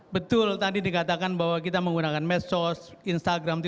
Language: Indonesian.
betul tadi dikatakan bahwa kita menggunakan mesos instagram